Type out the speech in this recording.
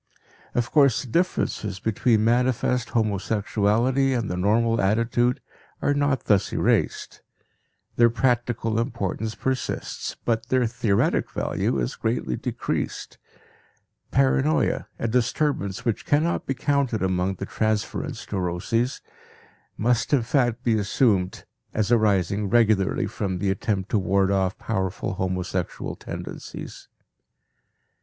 Of course the differences between manifest homosexuality and the normal attitude are not thus erased; their practical importance persists, but their theoretic value is greatly decreased. Paranoia, a disturbance which cannot be counted among the transference neuroses, must in fact be assumed as arising regularly from the attempt to ward off powerful homosexual tendencies.